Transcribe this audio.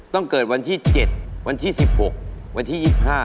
เกิดวันที่๗วันที่๑๖วันที่๒๕